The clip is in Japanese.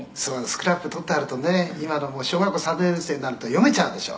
「スクラップ取ってあるとね今のもう小学校３年生になると読めちゃうでしょ」